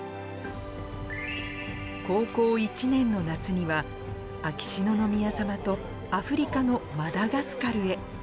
高校１年の夏には、秋篠宮さまとアフリカのマダガスカルへ。